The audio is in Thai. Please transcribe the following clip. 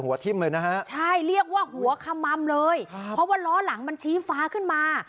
ทิ้มเลยนะฮะใช่เรียกว่าหัวขมัมเลยเพราะว่าล้อหลังมันชี้ฟ้าขึ้นมา